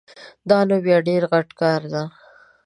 دا نو بیا ډېر غټ کار ده